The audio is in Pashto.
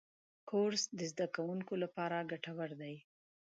کورس د زدهکوونکو لپاره ګټور دی.